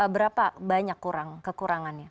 berapa banyak kekurangannya